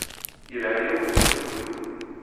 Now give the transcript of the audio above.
Yelha-yawen i kunwi.